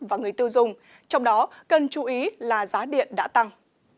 và người tiêu dùng trong đó cần chú ý là giá điện đã tăng